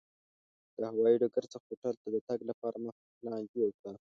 د هوایي ډګر څخه هوټل ته د تګ لپاره مخکې پلان جوړ کړه.